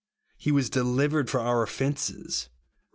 He was delivered for our offences," (Rom.